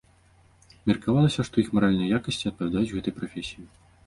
Меркавалася, што іх маральныя якасці адпавядаюць гэтай прафесіі.